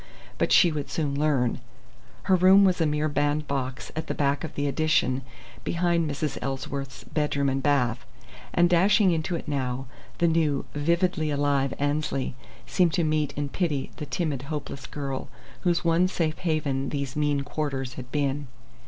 But she would soon learn. Her room was a mere bandbox at the back of the "addition," behind Mrs. Ellsworth's bedroom and bath; and dashing into it now, the new, vividly alive Annesley seemed to meet and pity the timid, hopeless girl whose one safe haven these mean quarters had been.